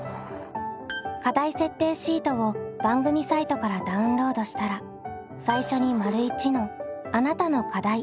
課題設定シートを番組サイトからダウンロードしたら最初に①の「あなたの課題」を記入します。